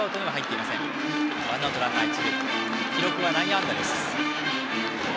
記録は内野安打です。